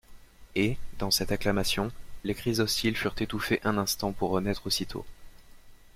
Et, dans cette acclamation, les cris hostiles furent étouffés un instant pour renaître aussitôt.